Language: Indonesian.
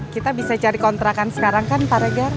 kita bisa cari kontrakan sekarang kan pak regar